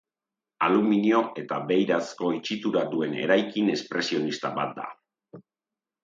Aluminio eta beirazko itxitura duen eraikin espresionista bat da.